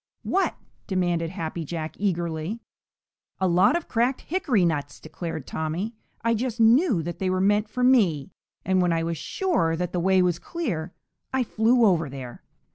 "What?" demanded Happy Jack eagerly. "A lot of cracked hickory nuts!" declared Tommy. "I just knew that they were meant for me, and when I was sure that the way was clear, I flew over there.